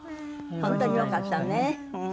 本当によかったね。